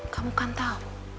kamu kan tau